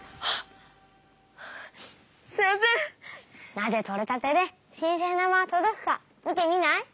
なぜとれたてで新鮮なままとどくか見てみない？